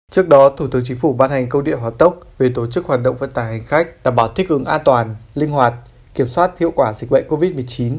trước đó thủ tướng chính phủ ban hành câu địa hóa tốc về tổ chức hoạt động vận tải hành khách đảm bảo thích ứng an toàn linh hoạt kiểm soát hiệu quả dịch bệnh covid một mươi chín